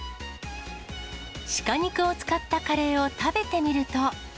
シカ肉を使ったカレーを食べてみると。